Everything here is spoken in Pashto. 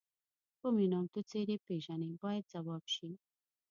کومې نامتو څېرې پیژنئ باید ځواب شي.